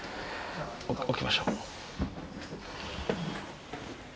置きましょう。